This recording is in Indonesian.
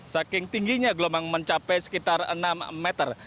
saking tingginya gelombang mencapai sekitar enam meter